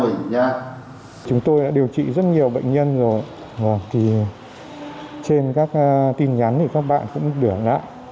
ủy nha chúng tôi đã điều trị rất nhiều bệnh nhân rồi trên các tin nhắn thì các bạn cũng đưa lại